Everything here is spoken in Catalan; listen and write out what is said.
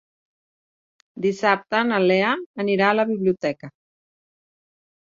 Dissabte na Lea anirà a la biblioteca.